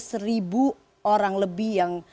seribu orang lebih yang